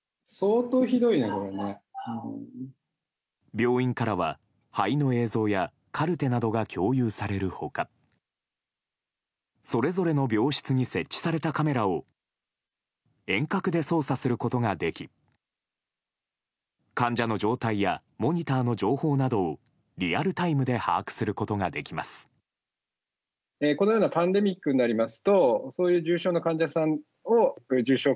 病院からは、肺の映像やカルテなどが共有される他それぞれの病室に設置されたカメラを遠隔で操作することができ患者の状態やモニターの情報などをリアルタイムで把握することができます。